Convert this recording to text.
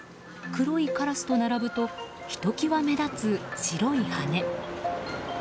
黒いカラスと並ぶとひときわ目立つ白い羽。